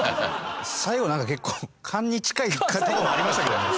最後なんか結構勘に近い賭けもありましたけどね。